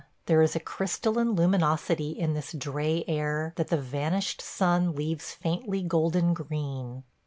There is a crystalline luminosity in this dray air that the vanished sun leaves faintly golden green.